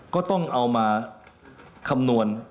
ก็ต้องเอามาคำนวณ